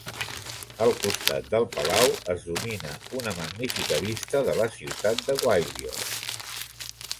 Al costat del palau es domina una magnífica vista de la ciutat de Gwalior.